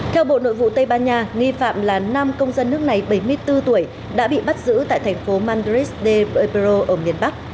theo bộ nội vụ tây ban nha nghi phạm là năm công dân nước này bảy mươi bốn tuổi đã bị bắt giữ tại thành phố madrid de bebro ở miền bắc